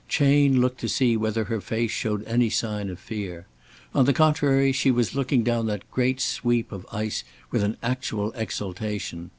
Chayne looked to see whether her face showed any sign of fear. On the contrary she was looking down that great sweep of ice with an actual exultation.